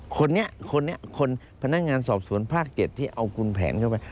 คนนี้คนนี้คนพนักงานสอบสวนภาค๗ที่เอาคุณแผนเข้าไป